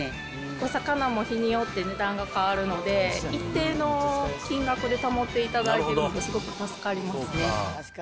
お魚も日によって値段が変わるので、一定の金額で保っていただいてるんで、すごく助かりますね。